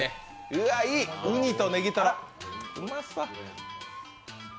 うわ、いい、ウニとネギトロ、うまそう。